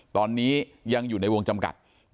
ตอนนี้ยังอยู่ในวงจำกัด